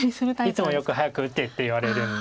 いつもよく早く打てって言われるんで。